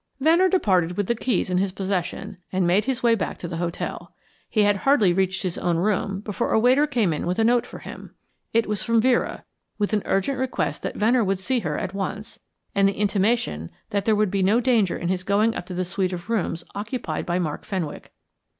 Venner departed with the keys in his possession, and made his way back to the hotel. He had hardly reached his own room before a waiter came in with a note for him. It was from Vera, with an urgent request that Venner would see her at once, and the intimation that there would be no danger in his going up to the suite of rooms occupied by Mark Fenwick.